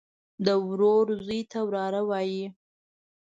د ورور زوى ته وراره وايي.